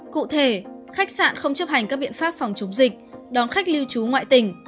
cụ thể khách sạn không chấp hành các biện pháp phòng chống dịch đón khách lưu trú ngoại tỉnh